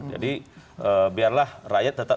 jadi biarlah rakyat tetap